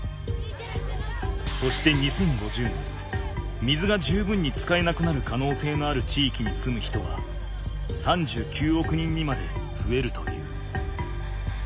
そして２０５０年水が十分に使えなくなる可能性のある地域に住む人は３９億人にまで増えるという。